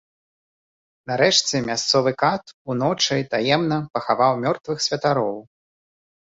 Нарэшце мясцовы кат уночы таемна пахаваў мёртвых святароў.